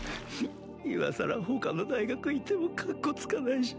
今さら他の大学行ってもカッコつかないし